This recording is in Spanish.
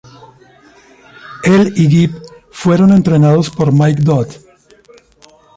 Él y Gibb fueron entrenados por Mike Dodd.